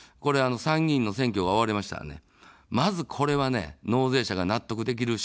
参議院の選挙が終わりましたら、まず、これは納税者が納得できる仕組みに変えていく。